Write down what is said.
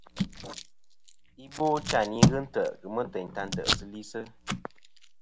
Ibochayn i ghɨ ntè' kemɨ teyn ta tɨsilisɨ.